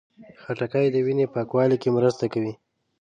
خټکی د وینې پاکوالي کې مرسته کوي.